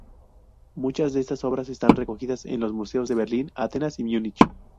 Muchas de estas obras están recogidas en los museos de Berlín, Atenas y Múnich.